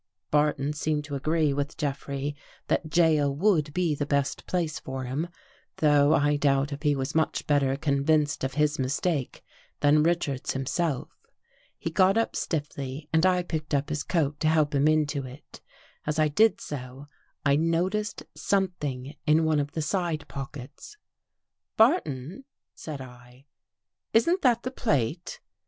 Barton seemed to agree with Jeffrey that jail would be the best place for him, though I doubt if he was much better convinced of his mistake than Richards himself. He got up stiffly and I picked up his coat to help him into it. As I did so, I noticed some thing in one of the side pockets. '' Barton," said I, " isn't that the plate?